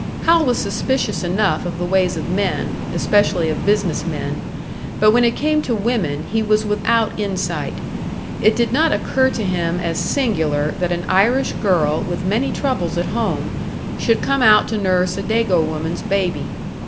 Hal was suspicious enough of the ways of men, especially of business men; but when it came to women he was without insight it did not occur to him as singular that an Irish girl with many troubles at home should come out to nurse a Dago woman's baby.